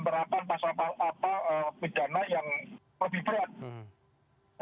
termasuk juga pemberatan pasal apa pidana yang lebih berat